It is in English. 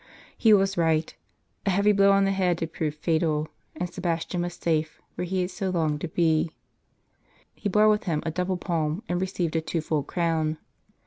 He was right ; a heavy blow on the head had proved fatal ; and Sebastian was safe where he had so longed to be. He bore with him a double palm, and received a twofold crown.